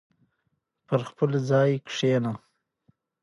شوري د مجلسـینو د هیئـت د